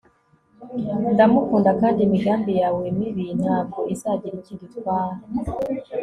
ndamukunda kandi imigambi yawe mibi ntabwo izagira icyo idutwara